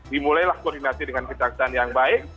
dimulailah koordinasi dengan kejaksaan yang baik